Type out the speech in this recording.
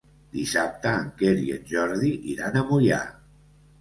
Dissabte en Quer i en Jordi iran a Moià.